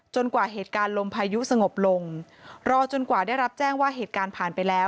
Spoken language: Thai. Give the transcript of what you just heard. กว่าเหตุการณ์ลมพายุสงบลงรอจนกว่าได้รับแจ้งว่าเหตุการณ์ผ่านไปแล้ว